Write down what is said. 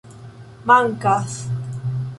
Mankas.